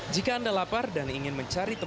jika anda lapar dan ingin mencari masjid yang indah